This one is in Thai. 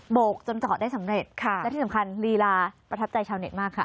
กจนจอดได้สำเร็จและที่สำคัญลีลาประทับใจชาวเน็ตมากค่ะ